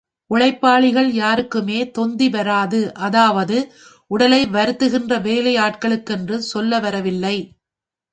உழைப்பாளிகள் யாருக்குமே தொந்தி வராது அதாவது உடலை வருத்துகின்ற வேலையாட்களுக்கென்று சொல்ல வரவில்லை.